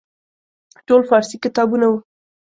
ټول فارسي کتابونه وو.